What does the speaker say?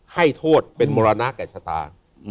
ให้โทษเป็นมรณะแก่ชะตา